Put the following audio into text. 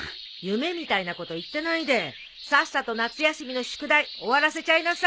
夢みたいなこと言ってないでさっさと夏休みの宿題終わらせちゃいなさい！